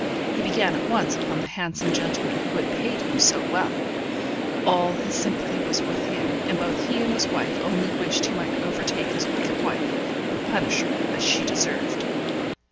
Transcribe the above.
He began at once upon the handsome gentleman, who had paid him so well; all his sympathy was with him, and both he and his wife only wished he might overtake his wicked wife, and punish her as she deserved.